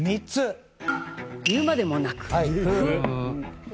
言うまでもなく「ふ」。